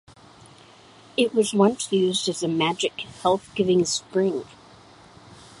It was once used as a "magic" health-giving spring.